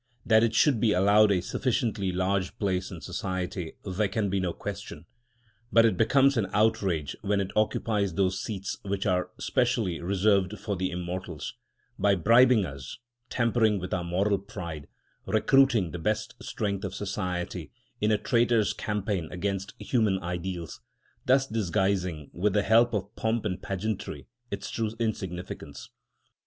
That it should be allowed a sufficiently large place in society, there can be no question; but it becomes an outrage when it occupies those seats which are specially reserved for the immortals, by bribing us, tampering with our moral pride, recruiting the best strength of society in a traitor's campaign against human ideals, thus disguising, with the help of pomp and pageantry, its true insignificance.